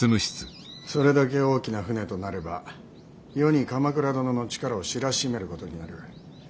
それだけ大きな船となれば世に鎌倉殿の力を知らしめることになる。